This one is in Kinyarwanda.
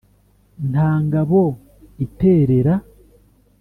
nta ngabo iterera